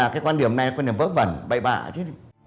cái quan điểm này là quan điểm vớ vẩn bậy bạ chứ